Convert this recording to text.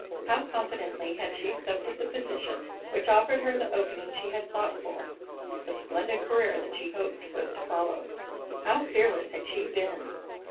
How confidently had she accepted the position which offered her the opening she had sought for the splendid career that she hoped was to follow! How fearless had she been!